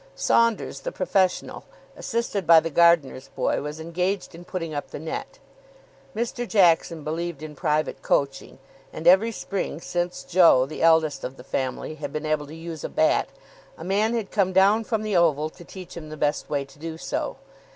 Saunders, the professional, assisted by the gardener's boy, was engaged in putting up the net. Mr. Jackson believed in private coaching; and every spring since Joe, the eldest of the family, had been able to use a bat a man had come down from the Oval to teach him the best way to do so.